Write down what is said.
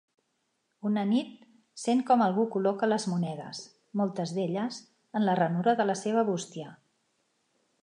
Una nit sent com algú col·loca les monedes, moltes d'elles, en la ranura de la seva bústia.